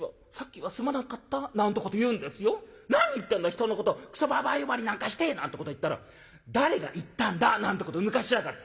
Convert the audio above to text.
人のことクソババア呼ばわりなんかして！』なんてこと言ったら『誰が言ったんだ』なんてことぬかしやがって。